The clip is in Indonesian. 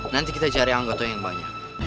nanti kita cari anggota yang banyak